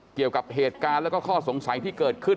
เกี่ยวกับเหตุการณ์แล้วก็ข้อสงสัยที่เกิดขึ้น